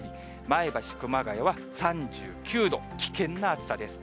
前橋、熊谷は３９度、危険な暑さです。